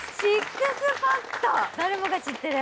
誰もが知っている。